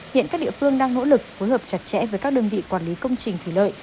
hiện các địa phương đang nỗ lực phối hợp chặt chẽ với các đơn vị quản lý công trình thủy lợi